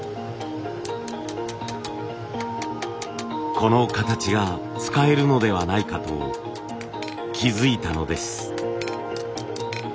この形が使えるのではないかと気付いたのです。